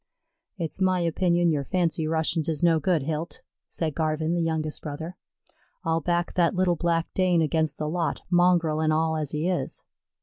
"It's my opinion yer fancy Russians is no good, Hilt," said Garvin, the younger brother. "I'll back that little black Dane against the lot, mongrel an' all as he is."